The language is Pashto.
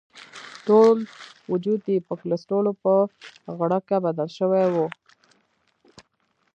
ټول وجود یې په کولسټرولو په غړکه بدل شوی وو.